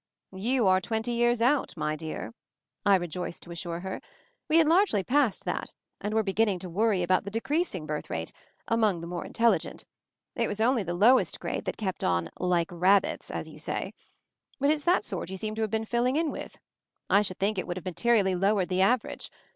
"You are twenty years out, my dear!" I rejoiced to assure her. "We had largely passed that, and were beginning to worry about the decreasing birth rate — among the more intelligent. It was only the lowest grade that kept on "like rabbits' as you say. 58 MOVING THE MOUNTAIN But it's that sort you seem to have been fill ing in with. I should think it would have materially lowered the average.